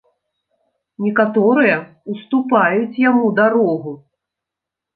Некаторыя ўступаюць яму дарогу.